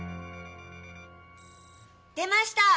出ました！